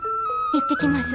行ってきます。